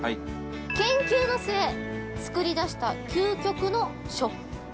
研究の末、作り出した究極の食感。